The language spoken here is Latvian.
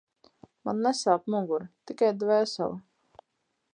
Man nesāp mugura, tikai dvēsele…